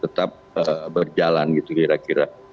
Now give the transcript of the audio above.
tetap berjalan gitu kira kira